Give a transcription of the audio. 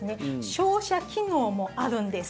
商社機能もあるんです。